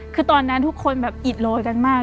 คือตอนนั้นทุกคนแบบอิดโรยกันมาก